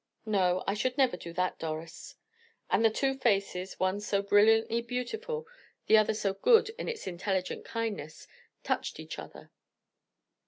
"No, I should never do that, Doris." And the two faces one so brilliantly beautiful, the other so good in its intelligent kindness touched each other.